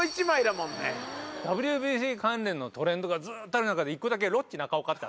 ＷＢＣ関連のトレンドがずっとある中で１個だけ「ロッチ中岡」って。